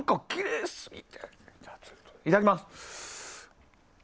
いただきます！